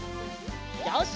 よし。